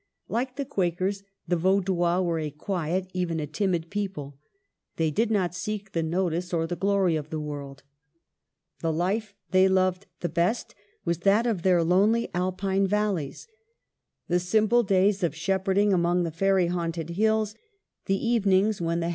Like the Quakers, the Vaudois were a quiet, even a timid people. They did not seek the notice or the glory of the world. The life they loved the best was that of their lonely Alpine valleys, the simple days of shepherding among the fairy haunted hills, the evenings when the 262 MARGARET OF ANGOUL^ME.